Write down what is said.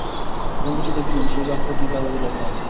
বন্ধুটি দেখিলেন, সেই বাক্যটিই কাগজে লেখা আছে।